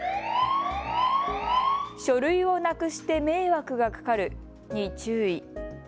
書類をなくして迷惑がかかるに注意。